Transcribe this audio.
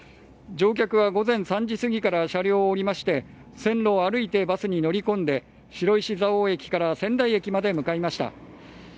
乗客は午前３時過ぎから車両を降りまして線路を歩いてバスに乗り込んで白石蔵王駅から仙台駅に向かいました。